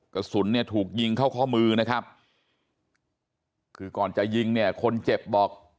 กระสุนเนี่ยถูกยิงเข้าข้อมือนะครับคือก่อนจะยิงเนี่ยคนเจ็บบอก